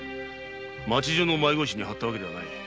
町中の迷子石に貼ったわけではない。